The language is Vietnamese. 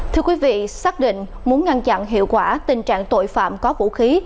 thưa quý vị xác định muốn ngăn chặn hiệu quả tình trạng tội phạm có vũ khí